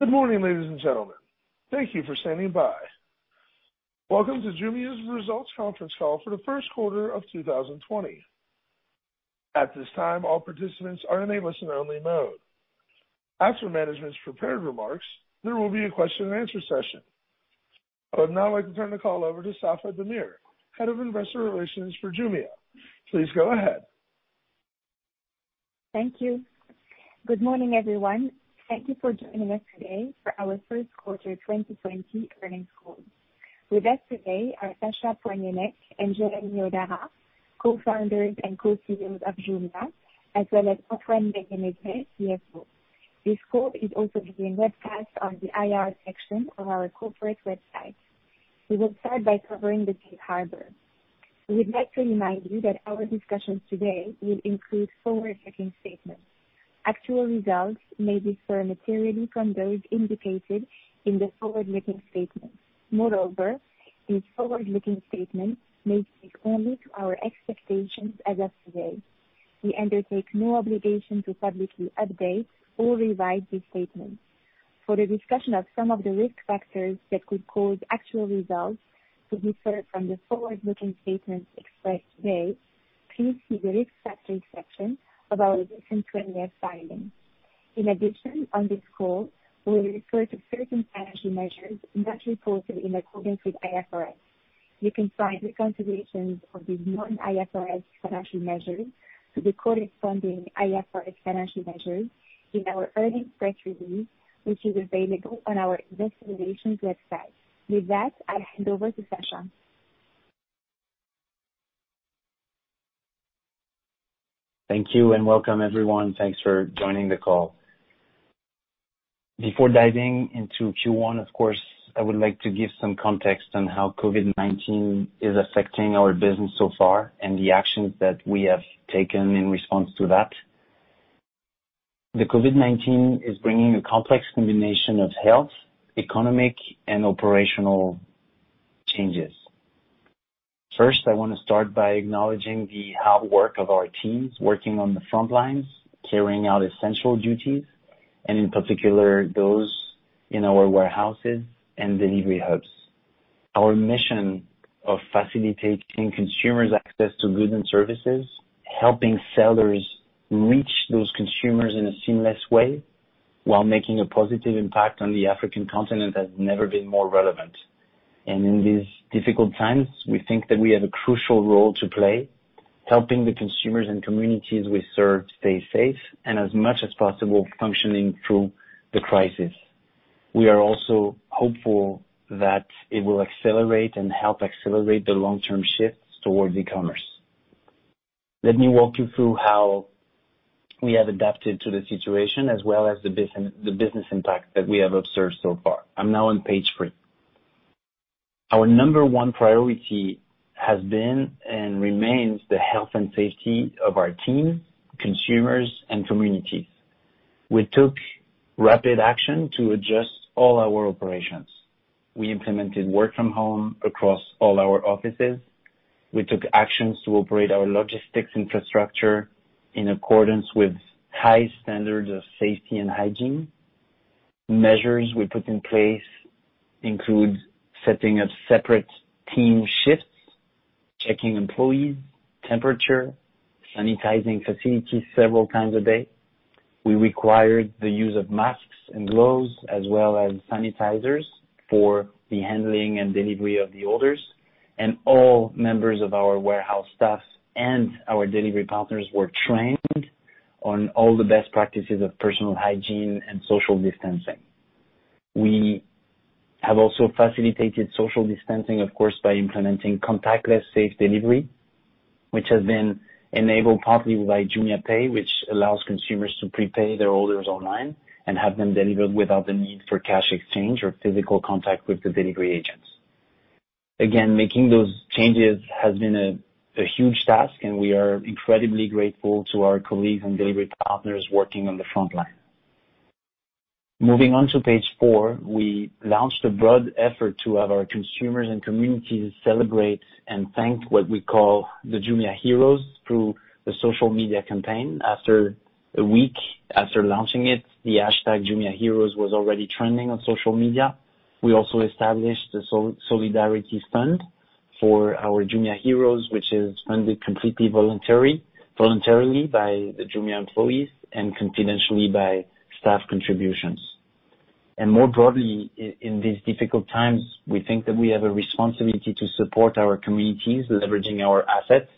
Good morning, ladies and gentlemen. Thank you for standing by. Welcome to Jumia's Results Conference Call for the First Quarter of 2020. At this time, all participants are in a listen-only mode. After management's prepared remarks, there will be a question and answer session. I would now like to turn the call over to Safae Damir, Head of Investor Relations for Jumia. Please go ahead. Thank you. Good morning, everyone. Thank you for joining us today for our first quarter 2020 earnings call. With us today are Sacha Poignonnec and Jeremy Hodara, co-founders and co-CEOs of Jumia, as well as Antoine Maillet-Mezeray, CFO. This call is also being webcast on the IR section on our corporate website. We will start by covering the safe harbor. We would like to remind you that our discussions today will include forward-looking statements. Actual results may differ materially from those indicated in the forward-looking statements. These forward-looking statements may speak only to our expectations as of today. We undertake no obligation to publicly update or revise these statements. For the discussion of some of the risk factors that could cause actual results to differ from the forward-looking statements expressed today, please see the Risk Factors section of our recent 20F filings. In addition, on this call, we will refer to certain financial measures not reported in accordance with IFRS. You can find reconciliations of these non-IFRS financial measures to the corresponding IFRS financial measures in our earnings press release, which is available on our Investor Relations website. With that, I'll hand over to Sacha. Thank you, and welcome, everyone. Thanks for joining the call. Before diving into Q1, of course, I would like to give some context on how COVID-19 is affecting our business so far and the actions that we have taken in response to that. The COVID-19 is bringing a complex combination of health, economic, and operational changes. First, I want to start by acknowledging the hard work of our teams working on the front lines, carrying out essential duties, and in particular, those in our warehouses and delivery hubs. Our mission of facilitating consumers' access to goods and services, helping sellers reach those consumers in a seamless way while making a positive impact on the African continent has never been more relevant. In these difficult times, we think that we have a crucial role to play helping the consumers and communities we serve Stay Safe, and as much as possible, functioning through the crisis. We are also hopeful that it will accelerate and help accelerate the long-term shifts towards e-commerce. Let me walk you through how we have adapted to the situation as well as the business impact that we have observed so far. I'm now on page three. Our number one priority has been and remains the health and safety of our team, consumers, and communities. We took rapid action to adjust all our operations. We implemented work from home across all our offices. We took actions to operate our logistics infrastructure in accordance with high standards of safety and hygiene. Measures we put in place include setting up separate team shifts, checking employees' temperature, sanitizing facilities several times a day. We required the use of masks and gloves as well as sanitizers for the handling and delivery of the orders. All members of our warehouse staff and our delivery partners were trained on all the best practices of personal hygiene and social distancing. We have also facilitated social distancing, of course, by implementing contactless safe delivery, which has been enabled partly by JumiaPay, which allows consumers to prepay their orders online and have them delivered without the need for cash exchange or physical contact with the delivery agents. Again, making those changes has been a huge task, and we are incredibly grateful to our colleagues and delivery partners working on the front line. Moving on to page four. We launched a broad effort to have our consumers and communities celebrate and thank what we call the Jumia Heroes through the social media campaign. A week after launching it, the hashtag Jumia Heroes was already trending on social media. We also established a solidarity fund for our Jumia Heroes, which is funded completely voluntarily by the Jumia employees and confidentially by staff contributions. More broadly, in these difficult times, we think that we have a responsibility to support our communities, leveraging our assets.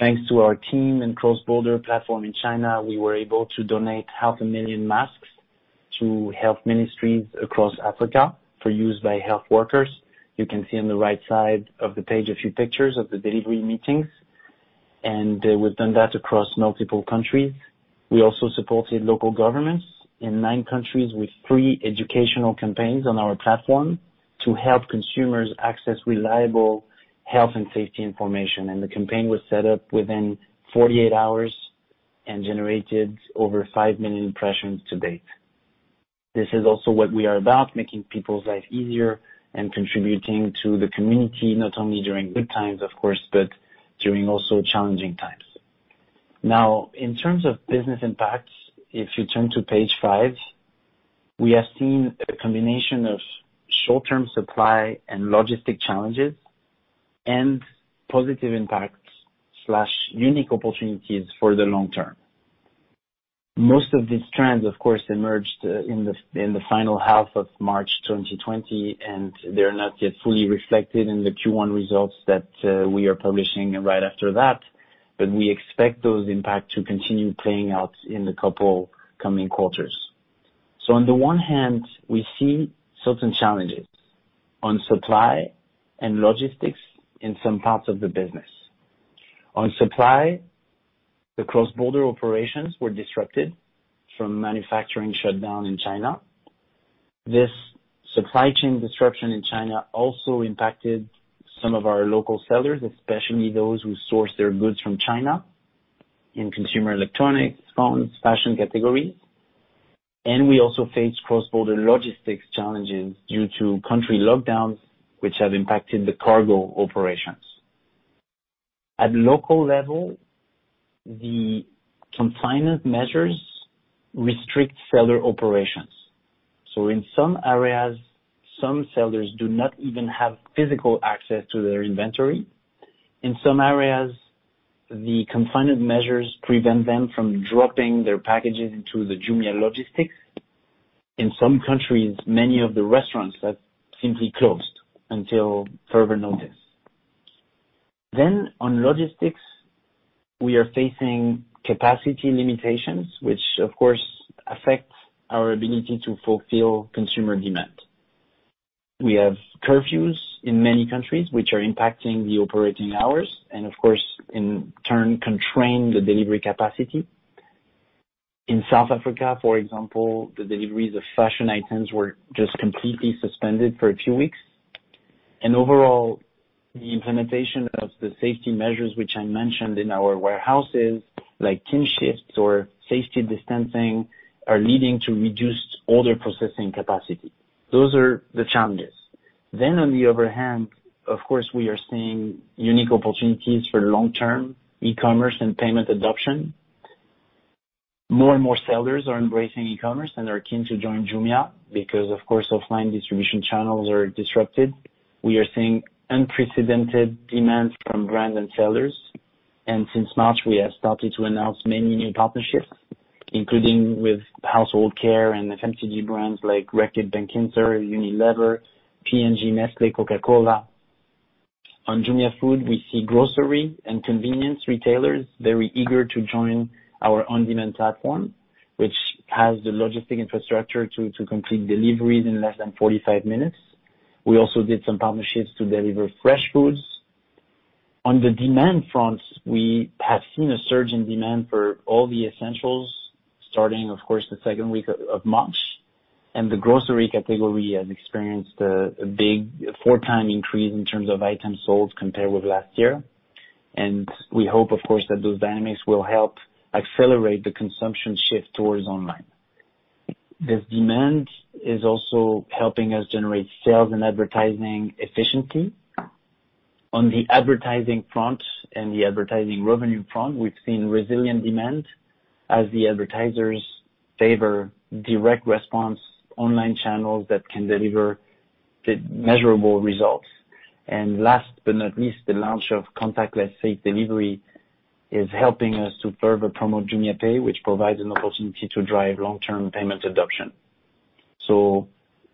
Thanks to our team and cross-border platform in China, we were able to donate half a million masks to health ministries across Africa for use by health workers. You can see on the right side of the page a few pictures of the delivery meetings, and we've done that across multiple countries. We also supported local governments in nine countries with free educational campaigns on our platform to help consumers access reliable health and safety information. The campaign was set up within 48 hours and generated over five million impressions to date. This is also what we are about, making people's lives easier and contributing to the community, not only during good times, of course, but during also challenging times. In terms of business impact, if you turn to page five, we have seen a combination of short-term supply and logistic challenges and positive impacts/unique opportunities for the long term. Most of these trends, of course, emerged in the final half of March 2020, and they're not yet fully reflected in the Q1 results that we are publishing right after that, but we expect those impact to continue playing out in the couple coming quarters. On the one hand, we see certain challenges on supply and logistics in some parts of the business. On supply, the cross-border operations were disrupted from manufacturing shutdown in China. This supply chain disruption in China also impacted some of our local sellers, especially those who source their goods from China, in consumer electronics, phones, fashion categories. We also faced cross-border logistics challenges due to country lockdowns, which have impacted the cargo operations. At local level, the confinement measures restrict seller operations. In some areas, some sellers do not even have physical access to their inventory. In some areas, the confinement measures prevent them from dropping their packages into the Jumia Logistics. In some countries, many of the restaurants have simply closed until further notice. On logistics, we are facing capacity limitations, which of course, affect our ability to fulfill consumer demand. We have curfews in many countries, which are impacting the operating hours, and of course, in turn, constrain the delivery capacity. In South Africa, for example, the deliveries of fashion items were just completely suspended for a few weeks. Overall, the implementation of the safety measures, which I mentioned in our warehouses, like team shifts or safety distancing, are leading to reduced order processing capacity. Those are the challenges. On the other hand, of course, we are seeing unique opportunities for long-term e-commerce and payment adoption. More and more sellers are embracing e-commerce, and are keen to join Jumia, because of course, offline distribution channels are disrupted. We are seeing unprecedented demands from brands and sellers. Since March, we have started to announce many new partnerships, including with household care and FMCG brands like Reckitt Benckiser, Unilever, P&G, Nestlé, Coca-Cola. On Jumia Food, we see grocery and convenience retailers very eager to join our on-demand platform, which has the logistic infrastructure to complete deliveries in less than 45 minutes. We also did some partnerships to deliver fresh foods. On the demand front, we have seen a surge in demand for all the essentials, starting of course, the second week of March, and the grocery category has experienced a big four-time increase in terms of items sold compared with last year. We hope, of course, that those dynamics will help accelerate the consumption shift towards online. This demand is also helping us generate sales and advertising efficiently. On the advertising front and the advertising revenue front, we've seen resilient demand as the advertisers favor direct response online channels that can deliver measurable results. Last but not least, the launch of contactless safe delivery is helping us to further promote JumiaPay, which provides an opportunity to drive long-term payment adoption.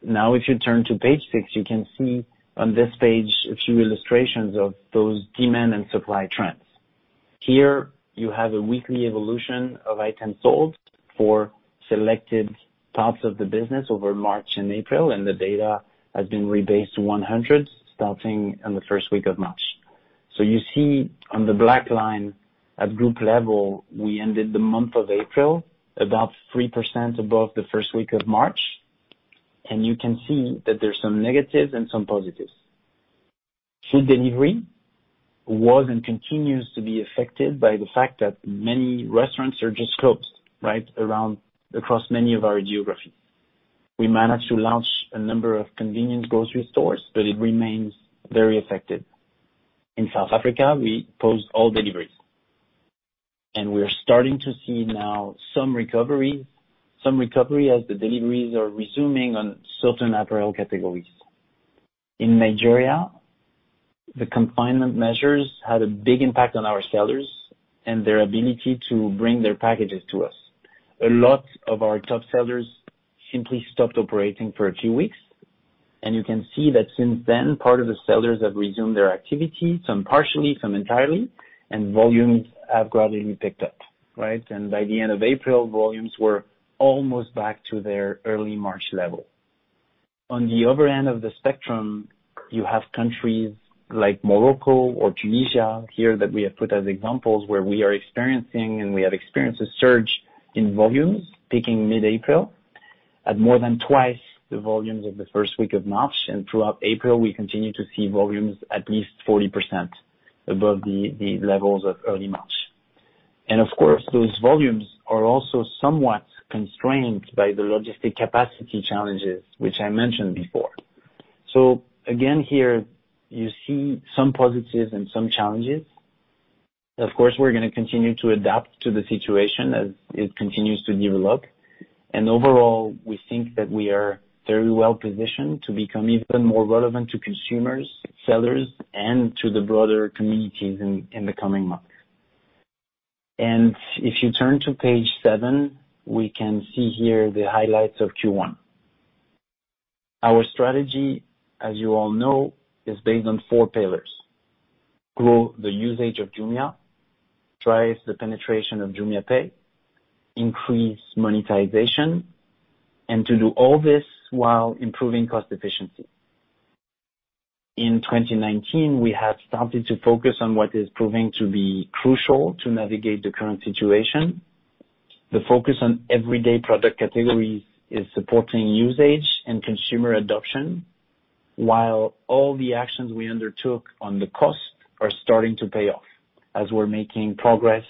Now if you turn to page six, you can see on this page a few illustrations of those demand and supply trends. Here you have a weekly evolution of items sold for selected parts of the business over March and April, and the data has been rebased to 100, starting in the first week of March. You see on the black line at group level, we ended the month of April, about 3% above the first week of March, and you can see that there's some negatives and some positives. Jumia Food was and continues to be affected by the fact that many restaurants are just closed, right, across many of our geographies. We managed to launch a number of convenient grocery stores, but it remains very affected. In South Africa, we paused all deliveries. We are starting to see now some recovery as the deliveries are resuming on certain apparel categories. In Nigeria, the confinement measures had a big impact on our sellers and their ability to bring their packages to us. A lot of our top sellers simply stopped operating for a few weeks, and you can see that since then, part of the sellers have resumed their activity, some partially, some entirely, and volumes have gradually picked up, right? By the end of April, volumes were almost back to their early March level. On the other end of the spectrum, you have countries like Morocco or Tunisia here that we have put as examples where we are experiencing, and we have experienced a surge in volumes, peaking mid-April at more than twice the volumes of the first week of March, and throughout April, we continue to see volumes at least 40% above the levels of early March. Of course, those volumes are also somewhat constrained by the logistic capacity challenges, which I mentioned before. Again, here you see some positives and some challenges. Of course, we're going to continue to adapt to the situation as it continues to develop. Overall, we think that we are very well positioned to become even more relevant to consumers, sellers, and to the broader communities in the coming months. If you turn to page seven, we can see here the highlights of Q1. Our strategy, as you all know, is based on four pillars, grow the usage of Jumia, drive the penetration of JumiaPay, increase monetization, and to do all this while improving cost efficiency. In 2019, we have started to focus on what is proving to be crucial to navigate the current situation. The focus on everyday product categories is supporting usage and consumer adoption, while all the actions we undertook on the cost are starting to pay off as we're making progress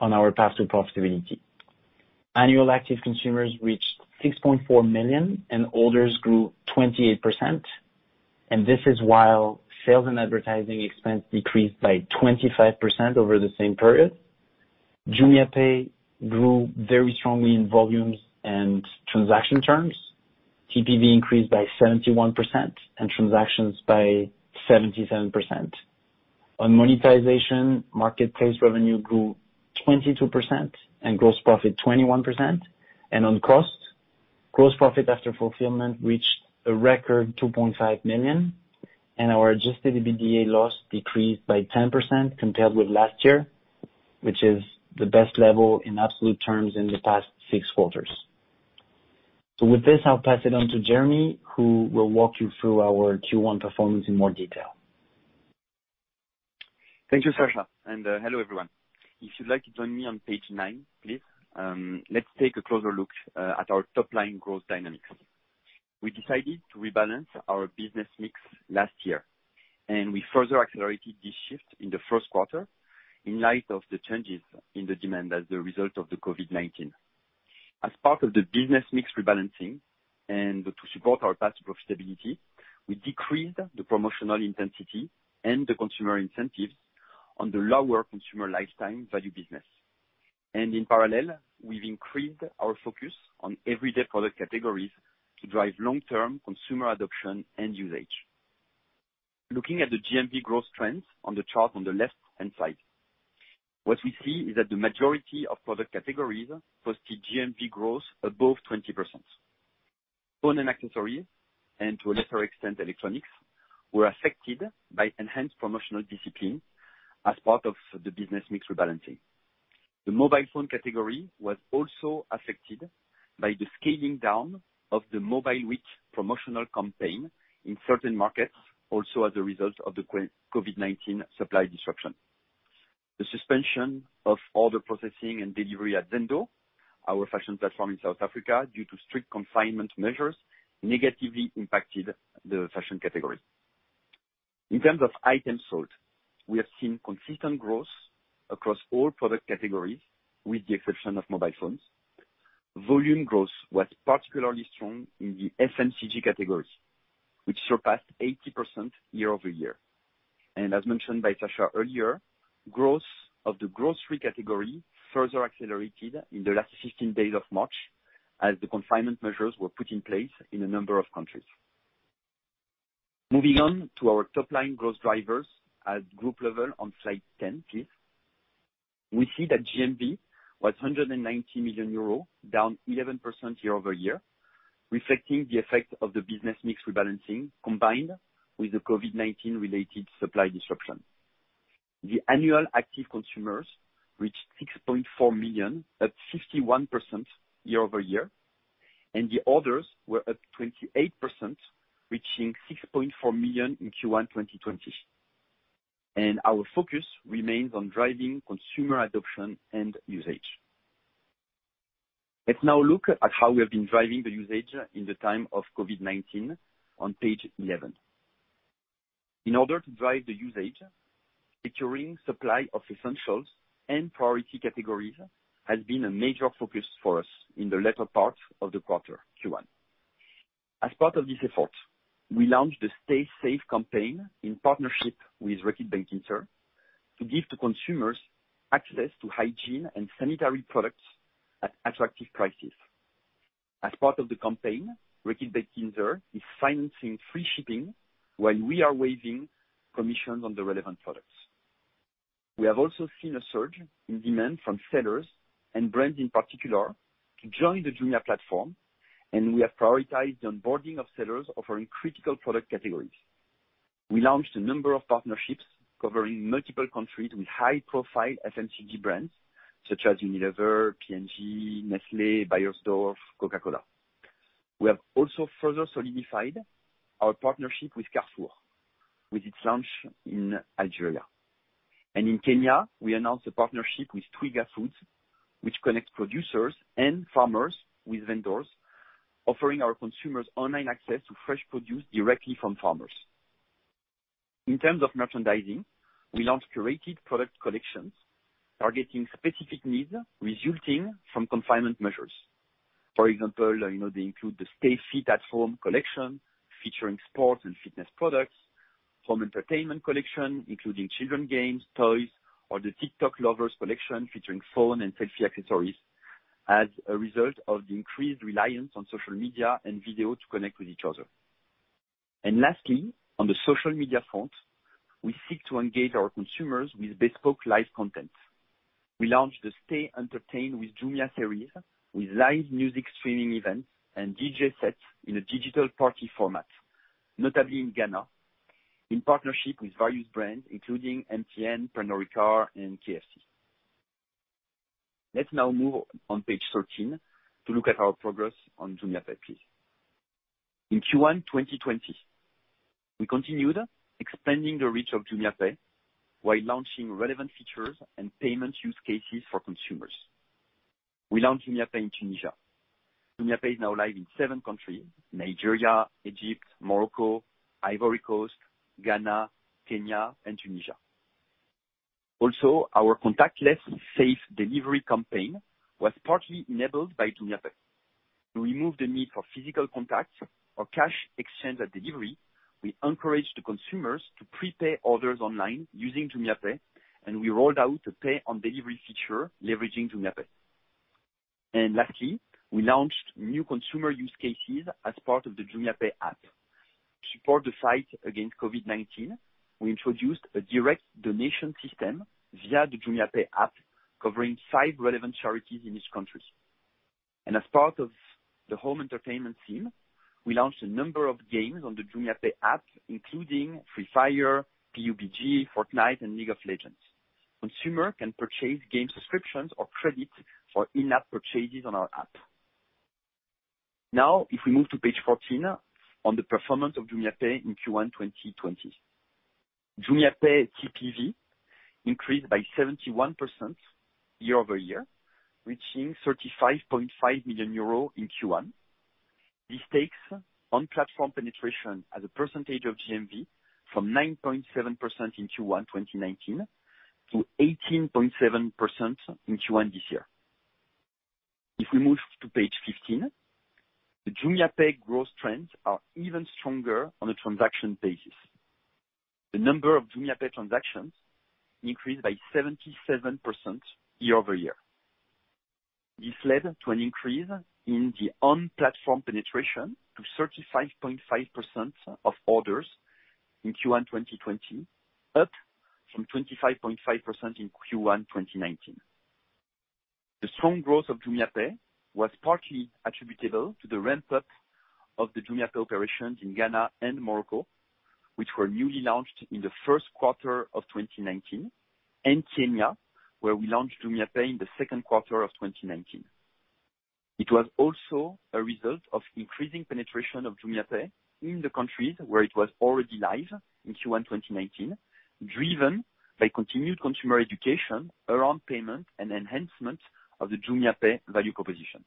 on our path to profitability. Annual active consumers reached 6.4 million, and orders grew 28%. This is while sales and advertising expense decreased by 25% over the same period. JumiaPay grew very strongly in volumes and transaction terms. TPV increased by 71% and transactions by 77%. On monetization, marketplace revenue grew 22% and gross profit 21%. On cost, gross profit after fulfillment reached a record 2.5 million, and our Adjusted EBITDA loss decreased by 10% compared with last year, which is the best level in absolute terms in the past six quarters. With this, I'll pass it on to Jeremy, who will walk you through our Q1 performance in more detail. Thank you, Sacha, and hello, everyone. If you'd like to join me on page nine, please. Let's take a closer look at our top-line growth dynamics. We decided to rebalance our business mix last year. We further accelerated this shift in the first quarter in light of the changes in the demand as a result of the COVID-19. As part of the business mix rebalancing and to support our path to profitability, we decreased the promotional intensity and the consumer incentives on the lower consumer lifetime value business. In parallel, we've increased our focus on everyday product categories to drive long-term consumer adoption and usage. Looking at the GMV growth trends on the chart on the left-hand side, what we see is that the majority of product categories posted GMV growth above 20%. Phone and accessories, and to a lesser extent, electronics, were affected by enhanced promotional discipline as part of the business mix rebalancing. The mobile phone category was also affected by the scaling down of the Mobile week promotional campaign in certain markets, also as a result of the COVID-19 supply disruption. The suspension of all the processing and delivery at Zando, our fashion platform in South Africa, due to strict confinement measures, negatively impacted the fashion category. In terms of items sold, we have seen consistent growth across all product categories, with the exception of mobile phones. Volume growth was particularly strong in the FMCG categories, which surpassed 80% year-over-year. As mentioned by Sacha earlier, growth of the grocery category further accelerated in the last 15 days of March as the confinement measures were put in place in a number of countries. Moving on to our top-line growth drivers at group level on slide 10, please. We see that GMV was 190 million euro, down 11% year-over-year, reflecting the effect of the business mix rebalancing combined with the COVID-19 related supply disruption. The annual active consumers reached 6.4 million, up 51% year-over-year, and the orders were up 28%, reaching 6.4 million in Q1 2020. Our focus remains on driving consumer adoption and usage. Let's now look at how we have been driving the usage in the time of COVID-19 on page 11. In order to drive the usage, featuring supply of essentials and priority categories has been a major focus for us in the latter part of the quarter Q1. As part of this effort, we launched the Stay Safe campaign in partnership with Reckitt Benckiser to give the consumers access to hygiene and sanitary products at attractive prices. As part of the campaign, Reckitt Benckiser is financing free shipping while we are waiving commissions on the relevant products. We have also seen a surge in demand from sellers and brands in particular to join the Jumia platform, and we have prioritized the onboarding of sellers offering critical product categories. We launched a number of partnerships covering multiple countries with high profile FMCG brands such as Unilever, P&G, Nestlé, Beiersdorf, Coca-Cola. We have also further solidified our partnership with Carrefour, with its launch in Algeria. In Kenya, we announced a partnership with Twiga Foods, which connects producers and farmers with vendors, offering our consumers online access to fresh produce directly from farmers. In terms of merchandising, we launched curated product collections targeting specific needs resulting from confinement measures. For example, they include the Stay Fit at Home collection, featuring sports and fitness products, Home Entertainment collection, including children games, toys, or the TikTok Lovers collection, featuring phone and selfie accessories, as a result of the increased reliance on social media and video to connect with each other. Lastly, on the social media front, we seek to engage our consumers with bespoke live content. We launched the Stay Entertained with Jumia series, with live music streaming events and DJ sets in a digital party format, notably in Ghana, in partnership with various brands, including MTN, Pernod Ricard, and KFC. Let's now move on page 13 to look at our progress on JumiaPay, please. In Q1 2020, we continued expanding the reach of JumiaPay while launching relevant features and payment use cases for consumers. We launched JumiaPay in Tunisia. JumiaPay is now live in seven countries, Nigeria, Egypt, Morocco, Ivory Coast, Ghana, Kenya, and Tunisia. Also, our contactless safe delivery campaign was partly enabled by JumiaPay. To remove the need for physical contact or cash exchange at delivery, we encouraged the consumers to prepay orders online using JumiaPay, and we rolled out a pay on delivery feature leveraging JumiaPay. Lastly, we launched new consumer use cases as part of the JumiaPay app. To support the fight against COVID-19, we introduced a direct donation system via the JumiaPay app, covering five relevant charities in each country. As part of the home entertainment team, we launched a number of games on the JumiaPay app, including Free Fire, PUBG, Fortnite, and League of Legends. Consumer can purchase game subscriptions or credits for in-app purchases on our app. Now, if we move to page 14 on the performance of JumiaPay in Q1 2020. JumiaPay TPV increased by 71% year-over-year, reaching 35.5 million euros in Q1. This takes on-platform penetration as a percentage of GMV from 9.7% in Q1 2019 to 18.7% in Q1 this year. If we move to page 15, the JumiaPay growth trends are even stronger on a transaction basis. The number of JumiaPay transactions increased by 77% year-over-year. This led to an increase in the on-platform penetration to 35.5% of orders in Q1 2020, up from 25.5% in Q1 2019. The strong growth of JumiaPay was partly attributable to the ramp-up of the JumiaPay operations in Ghana and Morocco, which were newly launched in the first quarter of 2019, and Kenya, where we launched JumiaPay in the second quarter of 2019. It was also a result of increasing penetration of JumiaPay in the countries where it was already live in Q1 2019, driven by continued consumer education around payment and enhancement of the JumiaPay value proposition.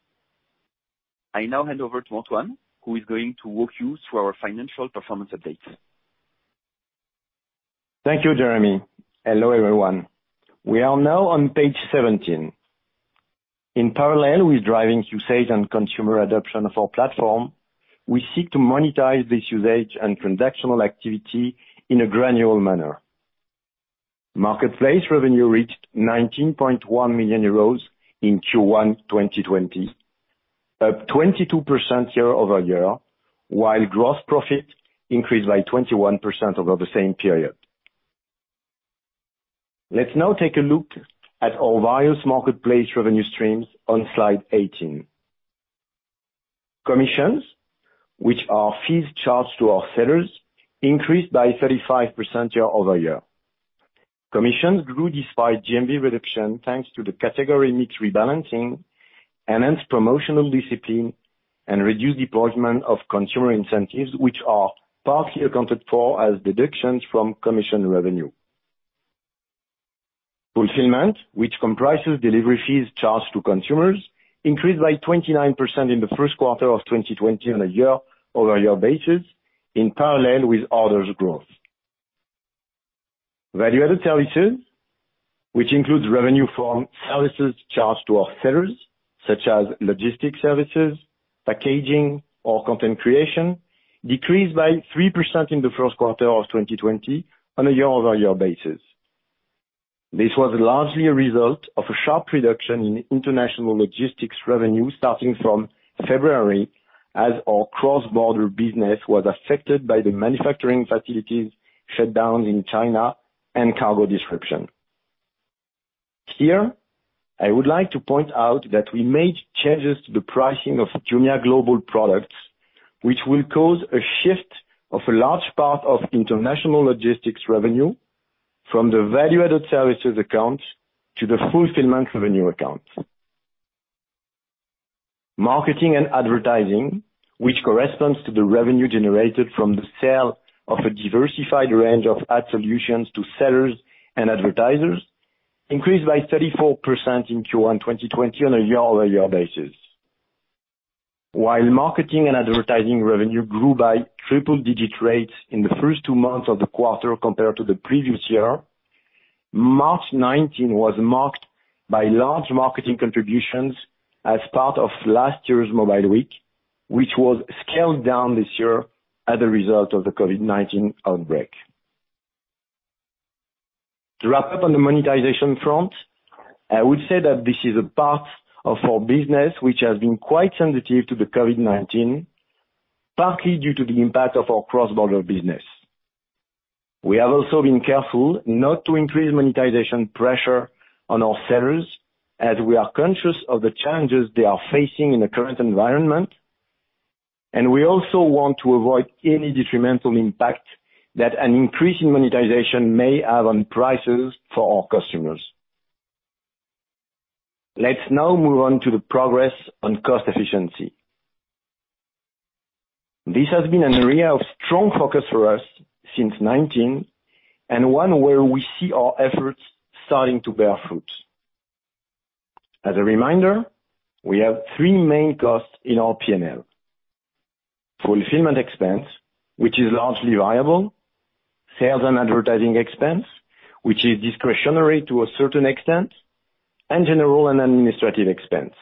I now hand over to Antoine, who is going to walk you through our financial performance update. Thank you, Jeremy. Hello, everyone. We are now on page 17. In parallel with driving usage and consumer adoption of our platform, we seek to monetize this usage and transactional activity in a granular manner. Marketplace revenue reached 19.1 million euros in Q1 2020, up 22% year-over-year, while gross profit increased by 21% over the same period. Let's now take a look at our various marketplace revenue streams on slide 18. Commissions, which are fees charged to our sellers, increased by 35% year-over-year. Commissions grew despite GMV reduction, thanks to the category mix rebalancing, enhanced promotional discipline, and reduced deployment of consumer incentives, which are partly accounted for as deductions from commission revenue. Fulfillment, which comprises delivery fees charged to consumers, increased by 29% in the first quarter of 2020 on a year-over-year basis in parallel with orders growth. Value-added services, which includes revenue from services charged to our sellers, such as logistics services, packaging, or content creation, decreased by 3% in the first quarter of 2020 on a year-over-year basis. This was largely a result of a sharp reduction in international logistics revenue starting from February, as our cross-border business was affected by the manufacturing facilities shut down in China and cargo disruption. Here, I would like to point out that we made changes to the pricing of Jumia Global products, which will cause a shift of a large part of international logistics revenue from the value-added services account to the fulfillment revenue account. Marketing and advertising, which corresponds to the revenue generated from the sale of a diversified range of ad solutions to sellers and advertisers, increased by 34% in Q1 2020 on a year-over-year basis. While marketing and advertising revenue grew by triple digit rates in the first two months of the quarter compared to the previous year, March 19 was marked by large marketing contributions as part of last year's Mobile Week, which was scaled down this year as a result of the COVID-19 outbreak. To wrap up on the monetization front, I would say that this is a part of our business which has been quite sensitive to the COVID-19, partly due to the impact of our cross-border business. We have also been careful not to increase monetization pressure on our sellers as we are conscious of the challenges they are facing in the current environment, and we also want to avoid any detrimental impact that an increase in monetization may have on prices for our customers. Let's now move on to the progress on cost efficiency. This has been an area of strong focus for us since 2019, and one where we see our efforts starting to bear fruit. As a reminder, we have three main costs in our P&L. Fulfillment expense, which is largely variable, sales and advertising expense, which is discretionary to a certain extent, and general and administrative expense.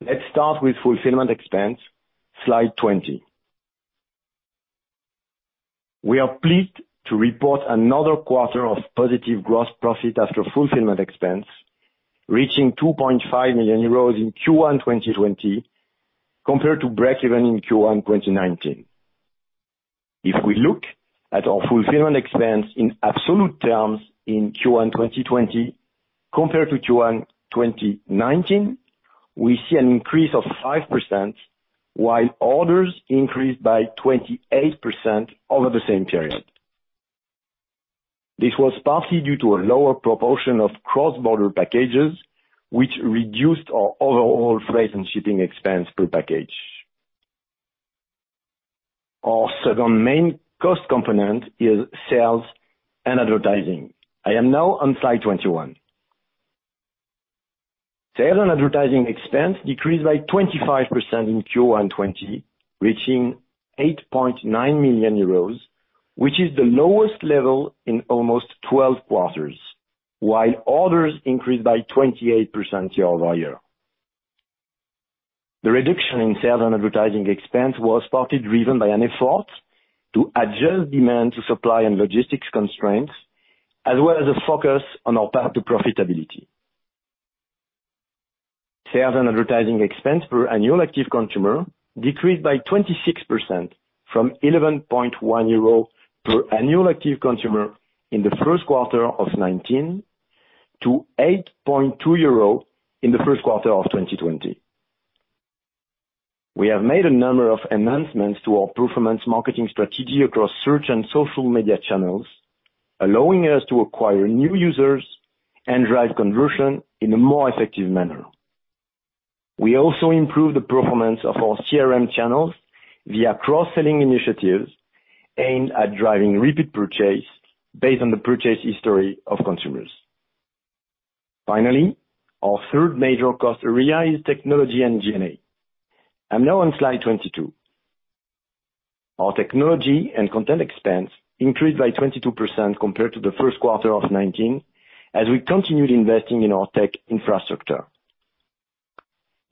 Let's start with fulfillment expense. Slide 20. We are pleased to report another quarter of positive gross profit after fulfillment expense, reaching 2.5 million euros in Q1 2020 compared to breakeven in Q1 2019. If we look at our fulfillment expense in absolute terms in Q1 2020 compared to Q1 2019, we see an increase of 5% while orders increased by 28% over the same period. This was partly due to a lower proportion of cross-border packages, which reduced our overall freight and shipping expense per package. Our second main cost component is sales and advertising. I am now on slide 21. Sales and advertising expense decreased by 25% in Q1 2020, reaching 8.9 million euros, which is the lowest level in almost 12 quarters, while orders increased by 28% year-over-year. The reduction in sales and advertising expense was partly driven by an effort to adjust demand to supply and logistics constraints, as well as a focus on our path to profitability. Sales and advertising expense per annual active consumer decreased by 26% from 11.1 euro per annual active consumer in the first quarter of 2019 to 8.2 euro in the first quarter of 2020. We have made a number of enhancements to our performance marketing strategy across search and social media channels, allowing us to acquire new users and drive conversion in a more effective manner. We also improved the performance of our CRM channels via cross-selling initiatives aimed at driving repeat purchase based on the purchase history of consumers. Finally, our third major cost area is technology and G&A. I'm now on slide 22. Our technology and content expense increased by 22% compared to the first quarter of 2019, as we continued investing in our tech infrastructure.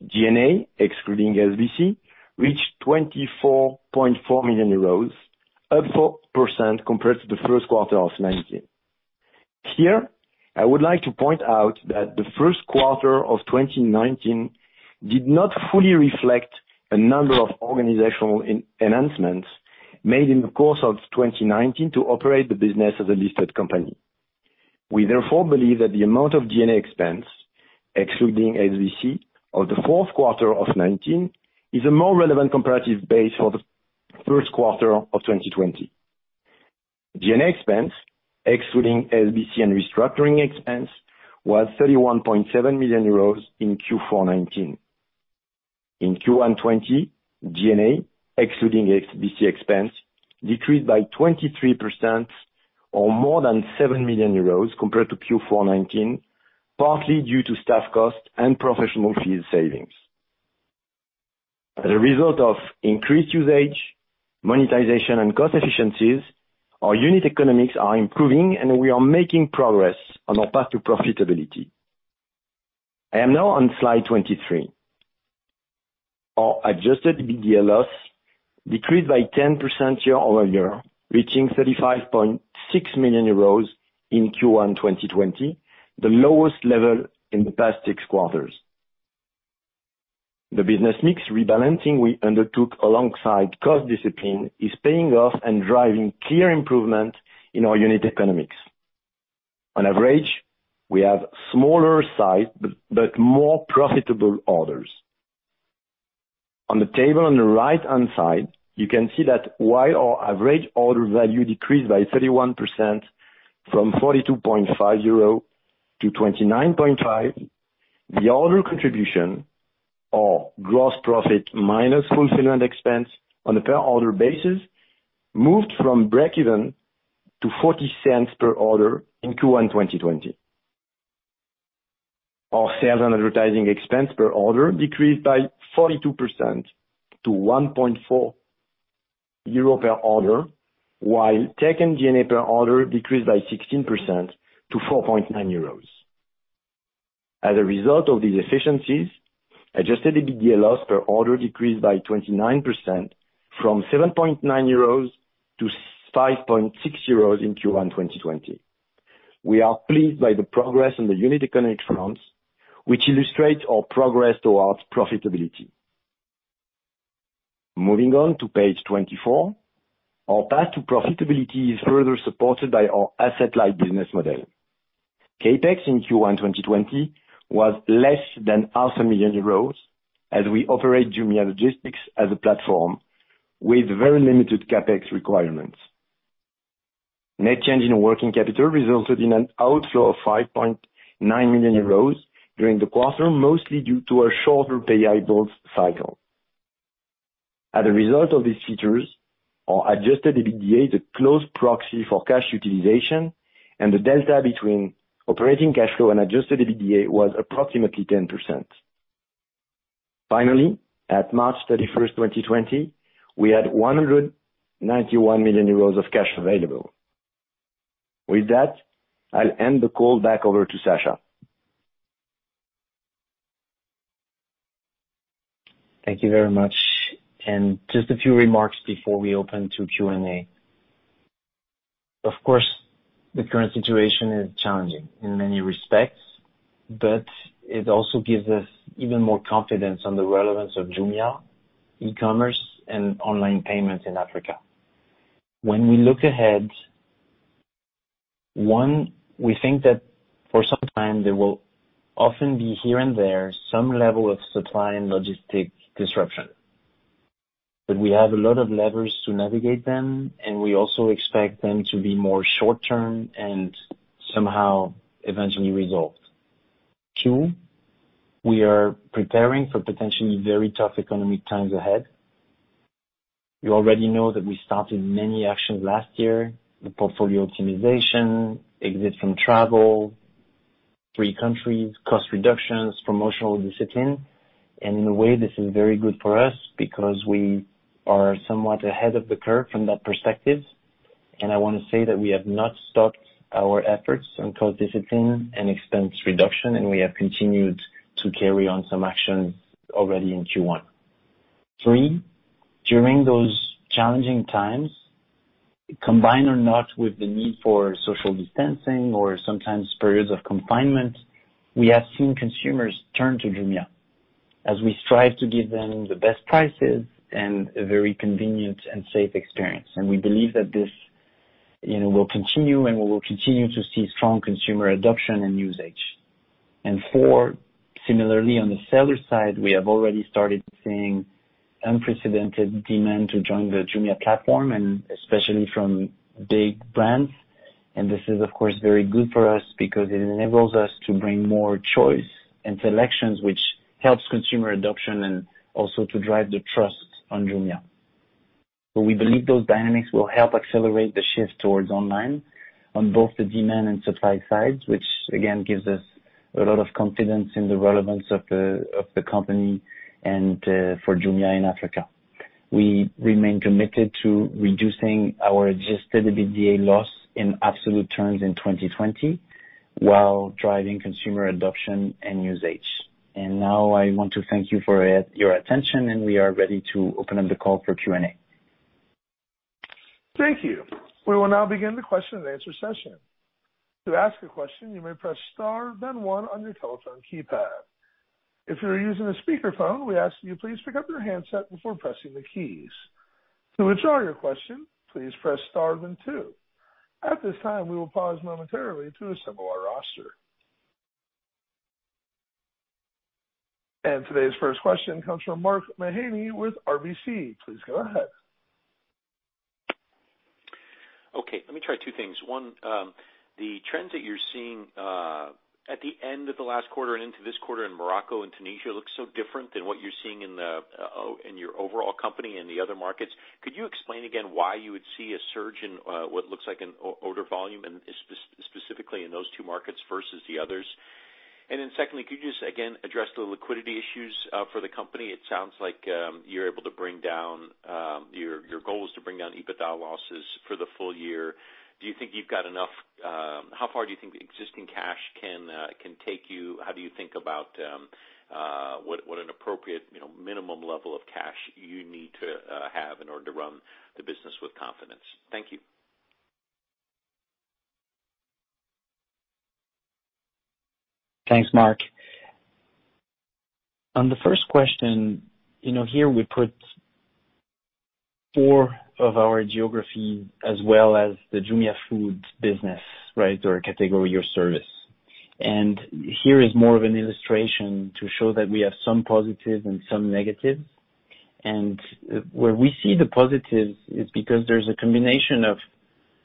G&A, excluding SBC, reached 24.4 million euros, up 4% compared to the first quarter of 2019. Here, I would like to point out that the first quarter of 2019 did not fully reflect a number of organizational enhancements made in the course of 2019 to operate the business as a listed company. We therefore believe that the amount of G&A expense, excluding SBC, of the fourth quarter of '19, is a more relevant comparative base for the first quarter of 2020. G&A expense, excluding SBC and restructuring expense, was 31.7 million euros in Q4 2019. In Q1 2020, G&A, excluding SBC expense, decreased by 23% or more than 7 million euros compared to Q4 2019, partly due to staff cost and professional fee savings. As a result of increased usage, monetization, and cost efficiencies, our unit economics are improving, and we are making progress on our path to profitability. I am now on slide 23. Our adjusted EBITDA loss decreased by 10% year-over-year, reaching 35.6 million euros in Q1 2020, the lowest level in the past six quarters. The business mix rebalancing we undertook alongside cost discipline is paying off and driving clear improvement in our unit economics. On average, we have smaller size but more profitable orders. On the table on the right-hand side, you can see that while our average order value decreased by 31% from EUR 42.5 to EUR 29.5, the order contribution of gross profit minus fulfillment expense on a per order basis moved from breakeven to 0.40 per order in Q1 2020. Our sales and advertising expense per order decreased by 42% to 1.4 euro per order, while tech and G&A per order decreased by 16% to 4.9 euros. As a result of these efficiencies, adjusted EBITDA loss per order decreased by 29%, from 7.9 euros to 5.6 euros in Q1 2020. We are pleased by the progress on the unit economic front, which illustrates our progress towards profitability. Moving on to page 24. Our path to profitability is further supported by our asset-light business model. CapEx in Q1 2020 was less than half a million EUR as we operate Jumia Logistics as a platform with very limited CapEx requirements. Net change in working capital resulted in an outflow of 5.9 million euros during the quarter, mostly due to a shorter payables cycle. As a result of these features, our adjusted EBITDA is a close proxy for cash utilization, and the delta between operating cash flow and adjusted EBITDA was approximately 10%. Finally, at March 31st, 2020, we had 191 million euros of cash available. With that, I'll hand the call back over to Sacha. Thank you very much. Just a few remarks before we open to Q&A. Of course, the current situation is challenging in many respects, but it also gives us even more confidence on the relevance of Jumia, e-commerce, and online payments in Africa. When we look ahead, one, we think that for some time there will often be, here and there, some level of supply and logistics disruption. We have a lot of levers to navigate them, and we also expect them to be more short-term and somehow eventually resolved. Two, we are preparing for potentially very tough economic times ahead. You already know that we started many actions last year, the portfolio optimization, exit from travel, three countries, cost reductions, promotional discipline. In a way, this is very good for us because we are somewhat ahead of the curve from that perspective. I want to say that we have not stopped our efforts on cost discipline and expense reduction, and we have continued to carry on some actions already in Q1. Three, during those challenging times, combined or not with the need for social distancing or sometimes periods of confinement, we have seen consumers turn to Jumia as we strive to give them the best prices and a very convenient and safe experience. We believe that this will continue, and we will continue to see strong consumer adoption and usage. Four, similarly on the seller side, we have already started seeing unprecedented demand to join the Jumia platform, and especially from big brands. This is of course very good for us because it enables us to bring more choice and selections, which helps consumer adoption, and also to drive the trust on Jumia. We believe those dynamics will help accelerate the shift towards online on both the demand and supply sides, which again gives us a lot of confidence in the relevance of the company and for Jumia in Africa. We remain committed to reducing our Adjusted EBITDA loss in absolute terms in 2020 while driving consumer adoption and usage. Now I want to thank you for your attention, and we are ready to open up the call for Q&A. Thank you. We will now begin the question and answer session. Today's first question comes from Mark Mahaney with RBC. Please go ahead. Okay, let me try two things. One, the trends that you're seeing at the end of the last quarter and into this quarter in Morocco and Tunisia looks so different than what you're seeing in your overall company in the other markets. Could you explain again why you would see a surge in what looks like an order volume and specifically in those two markets versus the others? Secondly, could you just, again, address the liquidity issues for the company? It sounds like your goal is to bring down EBITDA losses for the full year. How far do you think the existing cash can take you? How do you think about what an appropriate minimum level of cash you need to have in order to run the business with confidence? Thank you. Thanks, Mark. On the first question, here we put four of our geographies as well as the Jumia Food business, or category or service. Here is more of an illustration to show that we have some positives and some negatives. Where we see the positives is because there's a combination of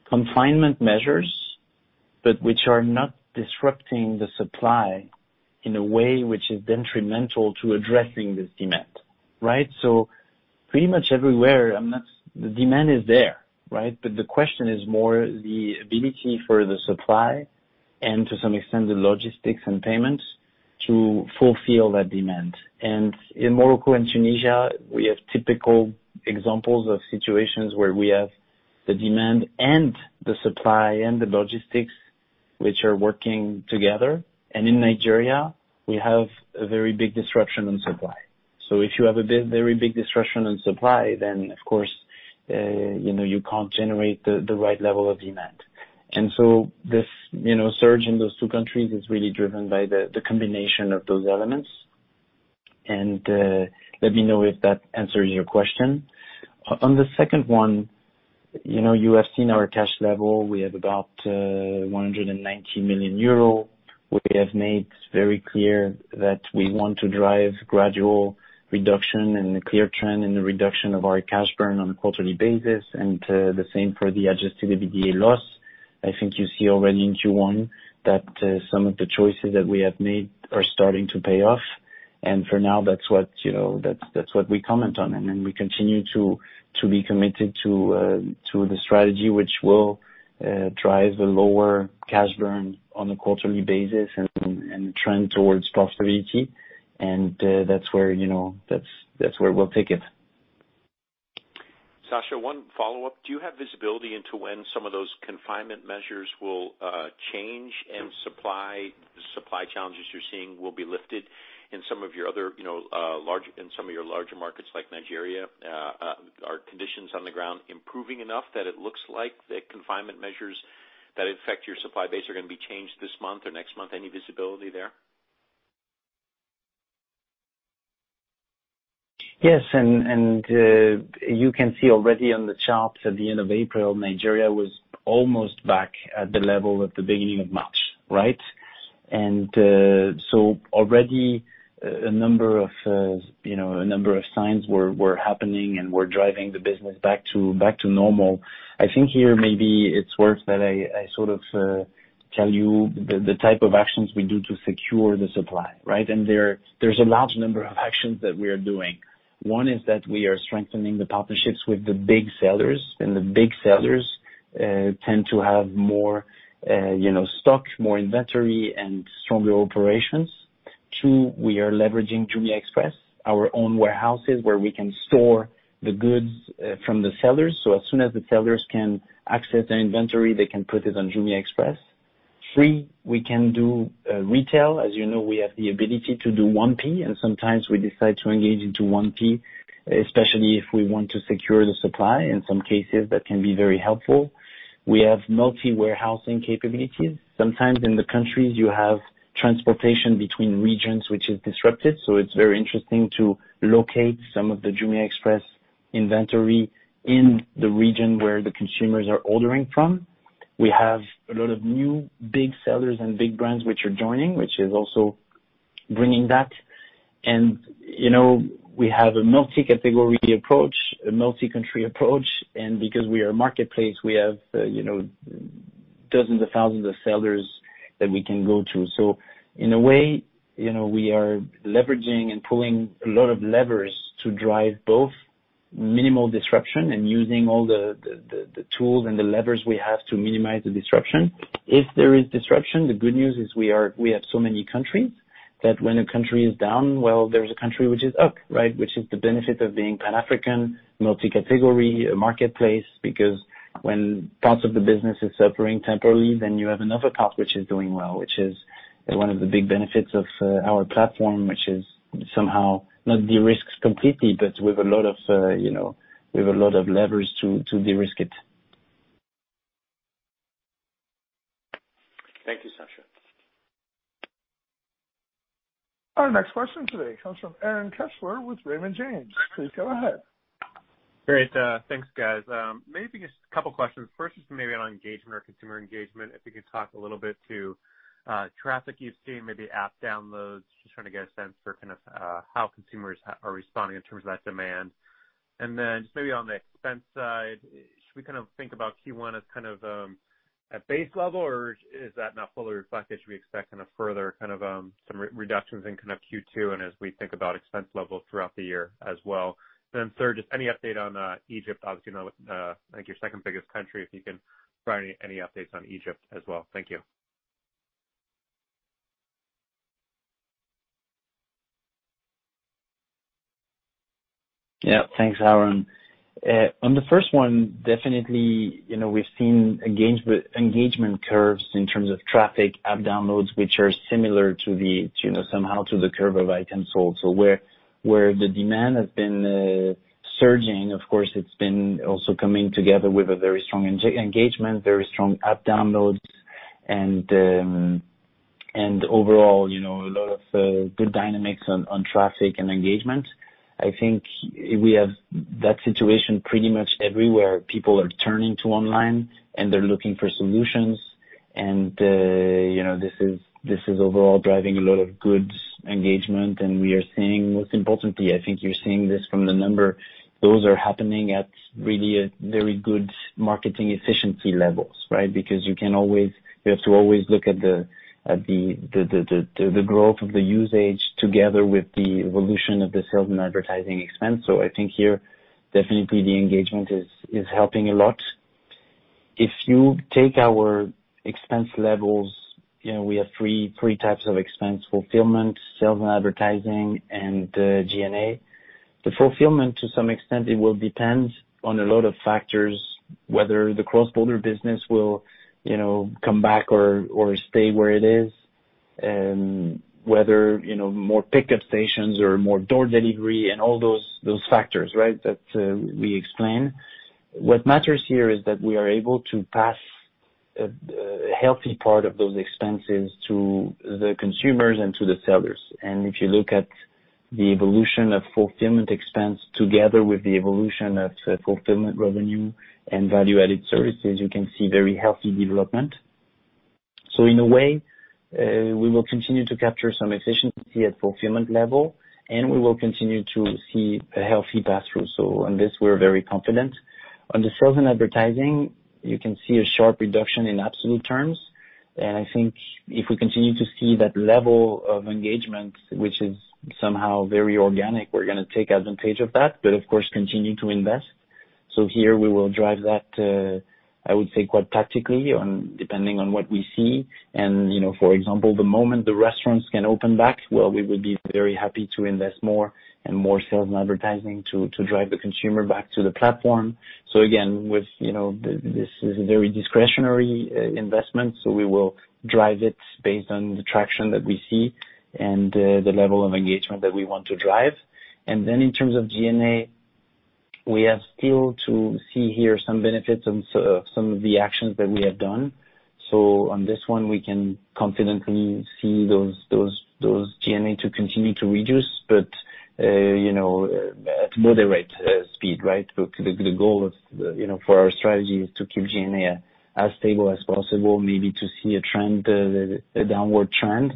confinement measures, but which are not disrupting the supply in a way which is detrimental to addressing this demand, right? Pretty much everywhere, the demand is there, right? The question is more the ability for the supply and to some extent the logistics and payments to fulfill that demand. In Morocco and Tunisia, we have typical examples of situations where we have the demand and the supply and the logistics, which are working together. In Nigeria, we have a very big disruption in supply. If you have a very big disruption in supply, then of course, you can't generate the right level of demand. This surge in those two countries is really driven by the combination of those elements. Let me know if that answers your question. On the second one, you have seen our cash level. We have about 190 million euro. We have made very clear that we want to drive gradual reduction and a clear trend in the reduction of our cash burn on a quarterly basis, and the same for the adjusted EBITDA loss. I think you see already in Q1 that some of the choices that we have made are starting to pay off. For now, that's what we comment on. We continue to be committed to the strategy, which will drive the lower cash burn on a quarterly basis and trend toward profitability. That's where we'll take it. Sacha, one follow-up. Do you have visibility into when some of those confinement measures will change and supply challenges you're seeing will be lifted in some of your larger markets like Nigeria? Are conditions on the ground improving enough that it looks like the confinement measures that affect your supply base are going to be changed this month or next month? Any visibility there? Yes. You can see already on the charts at the end of April, Nigeria was almost back at the level at the beginning of March, right? Already a number of signs were happening and were driving the business back to normal. I think here maybe it's worth that I sort of tell you the type of actions we do to secure the supply, right? There's a large number of actions that we are doing. One is that we are strengthening the partnerships with the big sellers, and the big sellers tend to have more stock, more inventory, and stronger operations. Two, we are leveraging Jumia Express, our own warehouses where we can store the goods from the sellers. As soon as the sellers can access their inventory, they can put it on Jumia Express. Three, we can do retail. As you know, we have the ability to do 1P, and sometimes we decide to engage into 1P, especially if we want to secure the supply. In some cases, that can be very helpful. We have multi warehousing capabilities. Sometimes in the countries you have transportation between regions which is disrupted, so it's very interesting to locate some of the Jumia Express inventory in the region where the consumers are ordering from. We have a lot of new big sellers and big brands which are joining, which is also bringing that. We have a multi-category approach, a multi-country approach, and because we are a marketplace, we have dozens of thousands of sellers that we can go to. In a way, we are leveraging and pulling a lot of levers to drive both minimal disruption and using all the tools and the levers we have to minimize the disruption. If there is disruption, the good news is we have so many countries that when a country is down, well, there's a country which is up, right? Which is the benefit of being Pan-African, multi-category marketplace, because when parts of the business is suffering temporarily, then you have another part which is doing well, which is one of the big benefits of our platform, which is somehow not de-risked completely, but we've a lot of leverage to de-risk it. Thank you, Sacha. Our next question today comes from Aaron Kessler with Raymond James. Please go ahead. Great. Thanks, guys. Maybe just a couple of questions. First is maybe on engagement or consumer engagement. If you could talk a little bit to traffic you've seen, maybe app downloads, just trying to get a sense for kind of how consumers are responding in terms of that demand. just maybe on the expense side, should we think about Q1 as kind of at base level, or is that not fully reflected? Should we expect further kind of some reductions in Q2 and as we think about expense levels throughout the year as well? third, just any update on Egypt, obviously now, I think your second biggest country, if you can provide any updates on Egypt as well. Thank you. Yeah. Thanks, Aaron. On the first one, definitely, we've seen engagement curves in terms of traffic, app downloads, which are similar somehow to the curve of items sold. Where the demand has been surging, of course, it's been also coming together with a very strong engagement, very strong app downloads, and overall a lot of good dynamics on traffic and engagement. I think we have that situation pretty much everywhere. People are turning to online, and they're looking for solutions. This is overall driving a lot of good engagement. Most importantly, I think you're seeing this from the number. Those are happening at really a very good marketing efficiency levels, right? Because you have to always look at the growth of the usage together with the evolution of the sales and advertising expense. I think here definitely the engagement is helping a lot. If you take our expense levels, we have three types of expense, fulfillment, sales and advertising, and G&A. The fulfillment, to some extent, it will depend on a lot of factors, whether the cross-border business will come back or stay where it is, and whether more pickup stations or more door delivery and all those factors that we explained. What matters here is that we are able to pass a healthy part of those expenses to the consumers and to the sellers. If you look at the evolution of fulfillment expense together with the evolution of fulfillment revenue and value-added services, you can see very healthy development. In a way, we will continue to capture some efficiency at fulfillment level, and we will continue to see a healthy pass-through. On this, we're very confident. On the sales and advertising, you can see a sharp reduction in absolute terms. I think if we continue to see that level of engagement, which is somehow very organic, we're going to take advantage of that, but of course, continue to invest. Here we will drive that, I would say, quite tactically depending on what we see. For example, the moment the restaurants can open back, well, we will be very happy to invest more and more sales and advertising to drive the consumer back to the platform. Again, this is a very discretionary investment, so we will drive it based on the traction that we see and the level of engagement that we want to drive. In terms of G&A, we have still to see here some benefits of some of the actions that we have done. On this one, we can confidently see those G&A to continue to reduce, but at moderate speed. The goal for our strategy is to keep G&A as stable as possible, maybe to see a downward trend.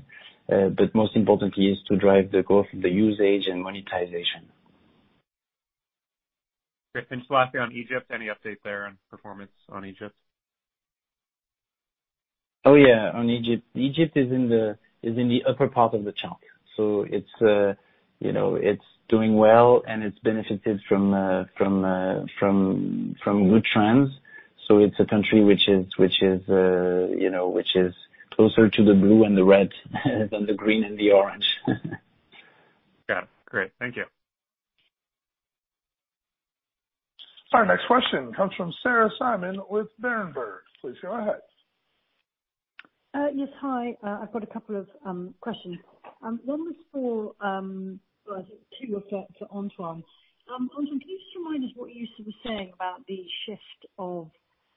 Most importantly is to drive the growth of the usage and monetization. Great. Lastly, on Egypt, any update there on performance on Egypt? Oh, yeah. On Egypt. Egypt is in the upper part of the chart. It's doing well, and it's benefited from good trends. It's a country which is closer to the blue and the red than the green and the orange. Got it. Great. Thank you. Our next question comes from Sarah Simon with Berenberg. Please go ahead. Yes. Hi. I've got a couple of questions. One was for, well, I think two were for Antoine. Antoine, can you just remind us what you were saying about the shift of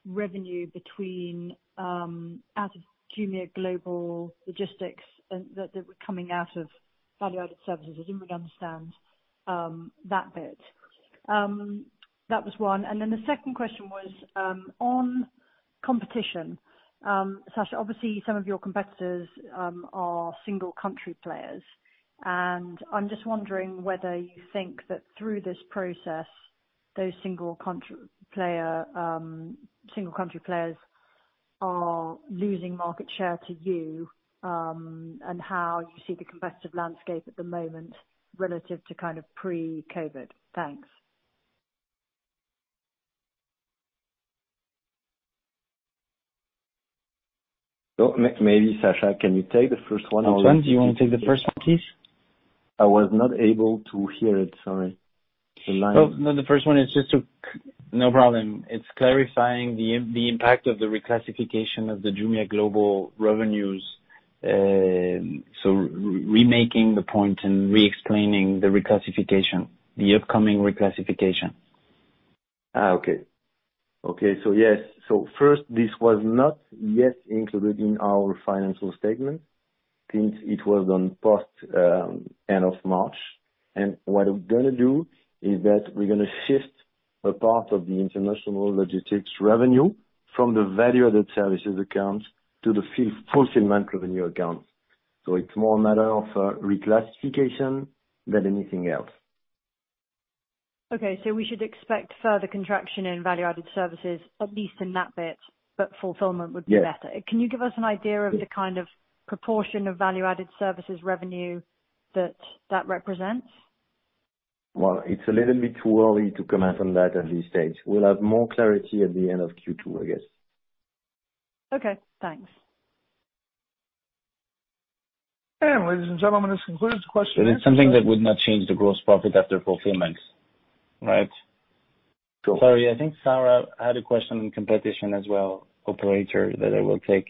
revenue between out of Jumia global logistics and that were coming out of value-added services? I didn't really understand that bit. That was one. The second question was, on competition. Sacha, obviously some of your competitors are single country players. I'm just wondering whether you think that through this process, those single country players are losing market share to you, and how you see the competitive landscape at the moment relative to pre-COVID. Thanks. Maybe, Sacha, can you take the first one? Antoine, do you want to take the first one, please? I was not able to hear it, sorry. The line No problem. It's clarifying the impact of the reclassification of the Jumia global revenues. Remaking the point and re-explaining the reclassification, the upcoming reclassification. First, this was not yet included in our financial statement since it was on post end of March. what we're going to do is that we're going to shift a part of the international logistics revenue from the value-added services account to the fulfillment revenue account. it's more a matter of reclassification than anything else. Okay. We should expect further contraction in value-added services, at least in that bit, but fulfillment would be better. Yes. Can you give us an idea of the kind of proportion of value-added services revenue that represents? Well, it's a little bit too early to comment on that at this stage. We'll have more clarity at the end of Q2, I guess. Okay, thanks. Ladies and gentlemen, this concludes the question- It's something that would not change the gross profit after fulfillment. Right? Sure. Sorry, I think Sarah had a question on competition as well, operator, that I will take.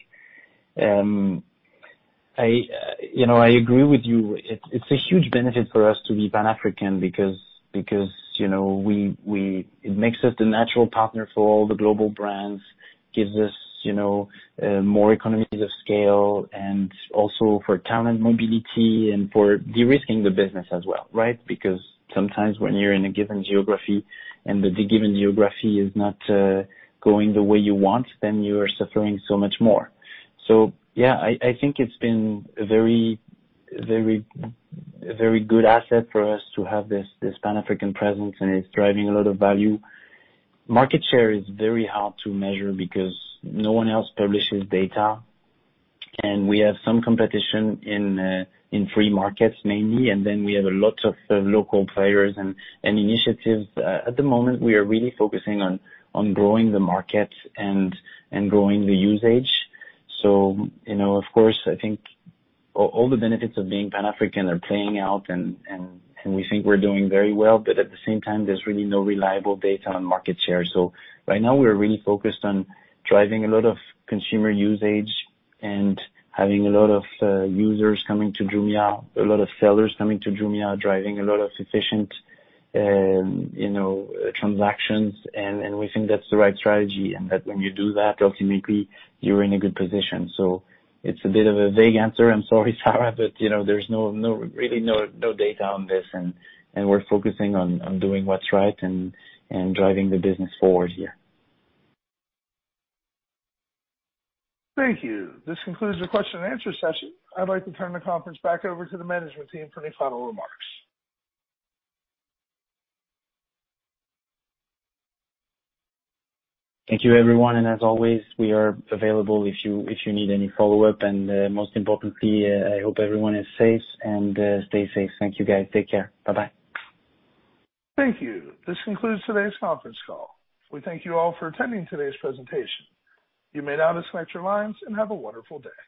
I agree with you. It's a huge benefit for us to be Pan-African because it makes us the natural partner for all the global brands, gives us more economies of scale, and also for talent mobility and for de-risking the business as well, because sometimes when you're in a given geography and the given geography is not going the way you want, then you are suffering so much more. I think it's been a very good asset for us to have this Pan-African presence, and it's driving a lot of value. Market share is very hard to measure because no one else publishes data. We have some competition in free markets, mainly, and then we have a lot of local players and initiatives. At the moment, we are really focusing on growing the market and growing the usage. Of course, I think all the benefits of being Pan-African are playing out, and we think we're doing very well. At the same time, there's really no reliable data on market share. Right now, we're really focused on driving a lot of consumer usage and having a lot of users coming to Jumia, a lot of sellers coming to Jumia, driving a lot of efficient transactions. We think that's the right strategy, and that when you do that, ultimately, you're in a good position. It's a bit of a vague answer, I'm sorry, Sarah, but there's really no data on this, and we're focusing on doing what's right and driving the business forward here. Thank you. This concludes the question and answer session. I'd like to turn the conference back over to the management team for any final remarks. Thank you, everyone, and as always, we are available if you need any follow-up. Most importantly, I hope everyone is safe and stay safe. Thank you, guys. Take care. Bye-bye. Thank you. This concludes today's conference call. We thank you all for attending today's presentation. You may now disconnect your lines, and have a wonderful day.